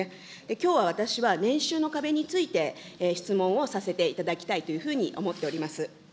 きょうは私は年収の壁について、質問をさせていただきたいというふうに思っております。